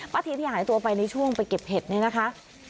เทียนที่หายตัวไปในช่วงไปเก็บเห็ดนี่นะคะ